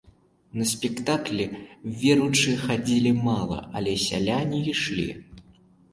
На спектаклі веруючыя хадзілі мала, але сяляне ішлі.